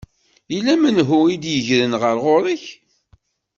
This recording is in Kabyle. Yella menhu i d-yegren ɣer ɣur-k?